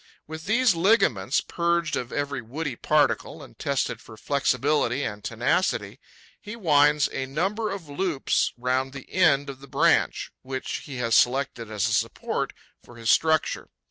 With these ligaments, purged of every woody particle and tested for flexibility and tenacity, he winds a number of loops round the end of the branch which he has selected as a support for his structure.